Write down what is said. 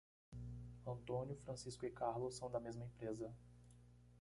Antônio, Francisco e Carlos são da mesma empresa.